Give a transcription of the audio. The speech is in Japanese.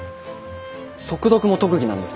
速読も特技なんですね。